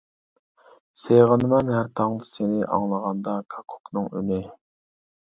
سېغىنىمەن ھەر تاڭدا سېنى، ئاڭلانغاندا كاككۇكنىڭ ئۈنى.